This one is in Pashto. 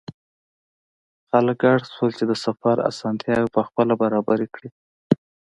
خلک اړ شول چې د سفر اسانتیاوې پخپله برابرې کړي.